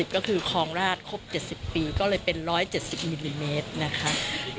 ก็คือคลองราชครบ๗๐ปีก็เลยเป็น๑๗๐มิลลิเมตรนะคะ